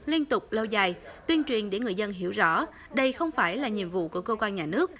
liên tục lâu dài tuyên truyền để người dân hiểu rõ đây không phải là nhiệm vụ của cơ quan nhà nước